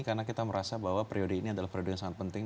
karena kita merasa bahwa periode ini adalah periode yang sangat penting